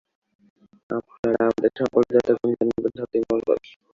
আপনারা আমাদের সম্পর্কে যত কম জানবেন ততই মঙ্গল।